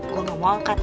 gue gak mau angkat